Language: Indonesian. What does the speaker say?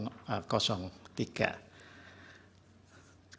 dan pemohon phpu nomor dua dari paslon tiga